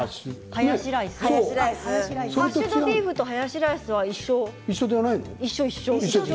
ハヤシライスハッシュドビーフとハヤシライスは一緒一緒。